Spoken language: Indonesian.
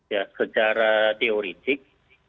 ya secara teoretik